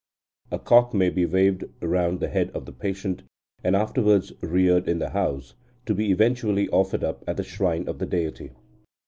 A cock may be waved round the head of the patient, and afterwards reared in the house, to be eventually offered up at the shrine of the deity.